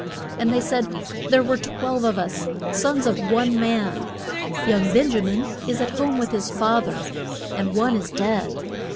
And they said, There were twelve of us, sons of one man. Young Ben ja min is at home with his fa ther, and one is dead.